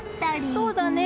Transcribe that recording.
そうだね。